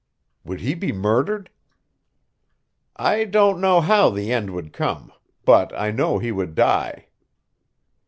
"Would he be murdered?" "I don't know how the end would come. But I know he would die."